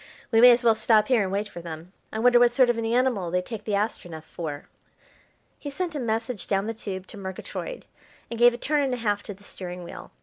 We may as well stop here and wait for them. I wonder what sort of an animal they take the Astronef for." He sent a message down the tube to Murgatroyd and gave a turn and a half to the steering wheel.